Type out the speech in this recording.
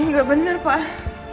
ini gak bener pak